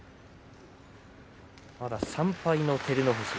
まだ３敗の照ノ富士。